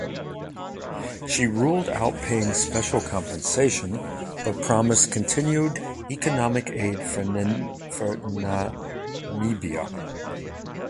She ruled out paying special compensation, but promised continued economic aid for Namibia.